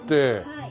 はい。